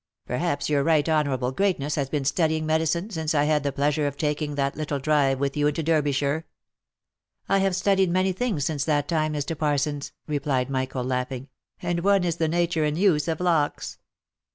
" Perhaps your right honourable greatness has been studying medi cine, since I had the pleasure of taking that little drive with you into Derbyshire?" 360 THE LIFE AND ADVENTURES V I have studied many things since that time, Mr. Parsons," replied Michael, laughing; •« and one is the nature and use of locks."